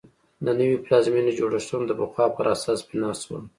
د نوې پلازمېنې جوړښتونه د پخوا پر اساس بنا شول.